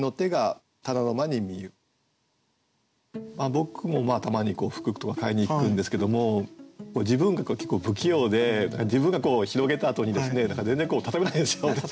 僕もたまに服とか買いに行くんですけども自分が結構不器用で自分が広げたあとにですね全然畳めないんですよ。